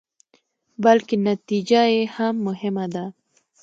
بلکې نتيجه يې هم مهمه ده.